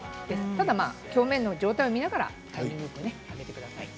ただ表面の状態を見ながらタイミングであげてください。